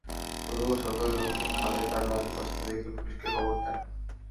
গতকাল সকালে লোকজন খালে তাঁর লাশ ভাসতে দেখে পুলিশকে খবর দেন।